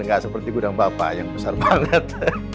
nggak seperti gudang bapak yang besar banget